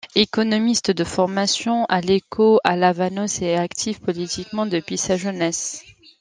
Économiste de formation, Alékos Alavános est actif politiquement depuis sa jeunesse.